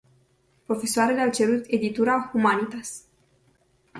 Profesoarele au cerut editura Humanitas.